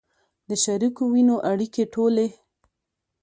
د شریکو وینو اړیکې ټولې